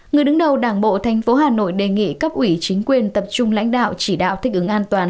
người đứng đầu đảng bộ tp hà nội đề nghị cấp ủy chính quyền tập trung lãnh đạo chỉ đạo thích ứng an toàn